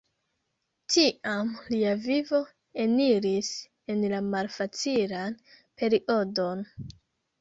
Tiam lia vivo eniris en la malfacilan periodon.